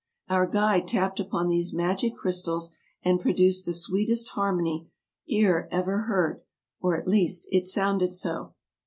Our guide tapped upon these magic crystals and produced the sweetest harmony ear ever heard, or at least it sounded so.